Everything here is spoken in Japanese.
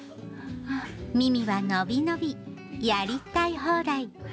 ミミは伸び伸びやりたい放題。